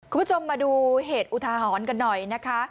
คุณผู้ชมมาดูเหตุอุทาหรณ์กันหน่อยนะคะ